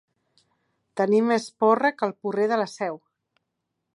Tenir més porra que el porrer de la Seu.